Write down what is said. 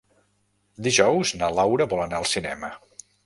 Dijous na Laura vol anar al cinema.